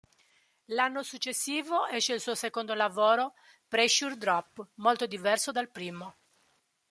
L'anno successivo esce il suo secondo lavoro "Pressure Drop", molto diverso dal primo.